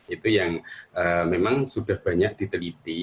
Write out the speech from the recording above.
itu yang memang sudah banyak diteliti